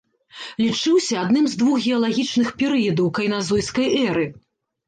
Лічыўся адным з двух геалагічных перыядаў кайназойскай эры.